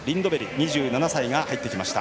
２７歳が入ってきました。